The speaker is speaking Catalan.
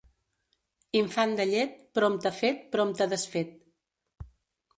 Infant de llet, prompte fet, prompte desfet.